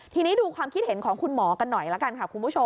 ทีนี้ดูความคิดเห็นของคุณหมอกันหน่อยแล้วกันค่ะ